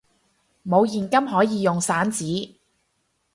冇現金可以用散紙！